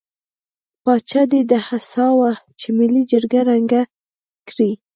پاچا دې ته هڅاوه چې ملي جرګه ړنګه کړي.